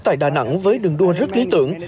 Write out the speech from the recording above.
tại đà nẵng với đường đua rất lý tưởng